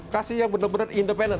kasih yang benar benar independen